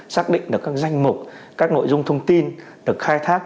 xác định được các danh mục các nội dung thông tin được khai thác